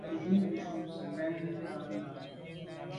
Jù jujù ze màa na là.